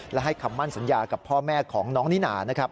และให้คำมั่นสัญญากับพ่อแม่ของน้องนิน่านะครับ